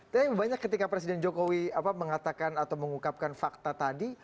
tapi banyak ketika presiden jokowi mengatakan atau mengungkapkan fakta tadi